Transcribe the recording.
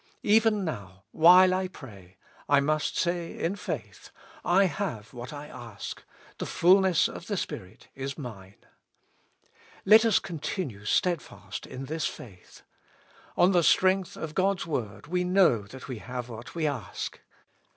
Even now, while I pray, I must say in faith : I have what I ask, the fulness of the Spirit is mine. Let us continue steadfast in this faith. On the strength of God's Word we know that we have what we ask.